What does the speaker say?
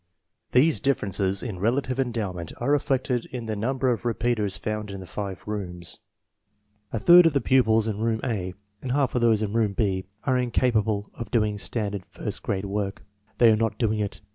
These differences in 54 INTELLIGENCE OF SCHOOL CHILDREN relative endowment are reflected in the number of repeaters found in the five rooms. A third of the pupils in room A and half of those in room B are incapable of doing standard first grade work. They are not doing it.